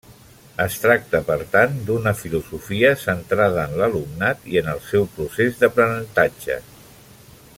Es tracta, per tant d’una filosofia centrada en l’alumnat i en el seu procés d’aprenentatge.